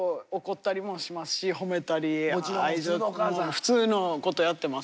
普通のことやってますけど。